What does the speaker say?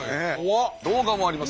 動画もあります。